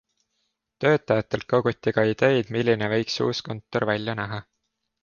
Töötajatelt koguti ka ideid, milline võiks uus kontor välja näha.